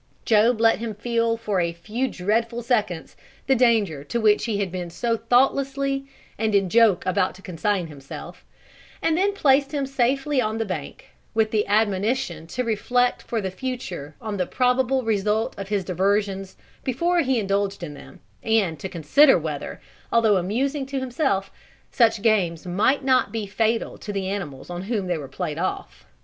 Job let him feel for a few dreadful seconds the danger to which he had been so thoughtlessly and in joke about to consign himself, and then placed him in safety on the bank, with the admonition to reflect for the future on the probable result of his diversions before he indulged in them, and to consider whether, although amusing to himself, such games might not be fatal to the animals on whom they were played off.